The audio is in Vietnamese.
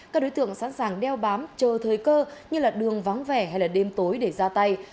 các đối tượng sẵn sàng đeo bám chờ thời cơ như là đường vắng vẻ hay đêm tối để ra tay